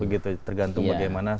bisa tergantung bagaimana